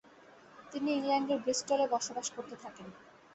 তিনি ইংল্যান্ডের ব্রিস্টলে বসবাস করতে থাকেন।